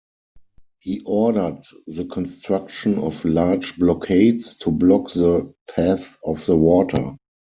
He ordered the construction of large blockades to block the path of the water.